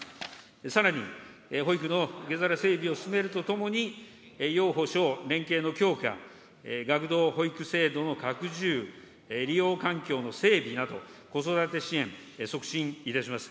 さらに保育の受け皿整備を進めるとともに、幼保小連携の強化、学童保育制度の拡充、利用環境の整備など、子育て支援、促進いたします。